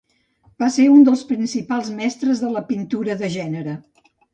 Va ser un dels principals mestres de la pintura de gènere.